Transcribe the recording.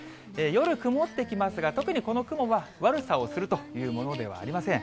夜、曇ってきますが、特にこの雲は悪さをするというものではありません。